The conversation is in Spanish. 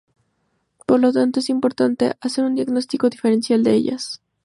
Por lo tanto, es importante hacer un diagnóstico diferencial de ellas.